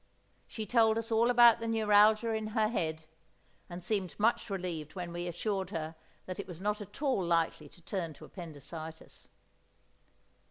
She told us all about the neuralgia in her head, and seemed much relieved when we assured her that it was not at all likely to turn to appendicitis.